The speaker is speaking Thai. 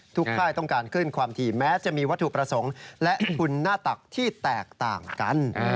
ค่ายต้องการขึ้นความถี่แม้จะมีวัตถุประสงค์และทุนหน้าตักที่แตกต่างกัน